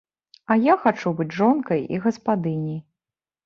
А я хачу быць жонкай і гаспадыняй.